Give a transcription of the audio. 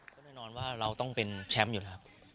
ก็แน่นอนว่าเราต้องเป็นแชมป์อยู่แล้วครับ